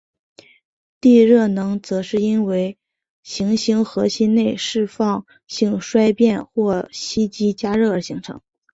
地热能则是因为行星核心内放射性衰变或吸积加热而形成。